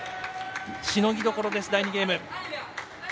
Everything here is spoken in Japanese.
しのぎどころです、第２ゲーム。